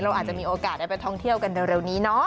อาจจะมีโอกาสได้ไปท่องเที่ยวกันเร็วนี้เนาะ